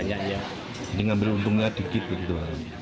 jadi ngambil untungnya sedikit gitu